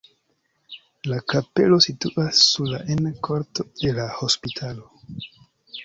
La kapelo situas sola en korto de la hospitalo.